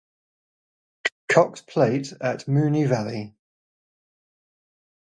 Cox Plate at Moonee Valley.